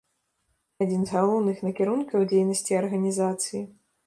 Адзін з галоўных накірункаў дзейнасці арганізацыі.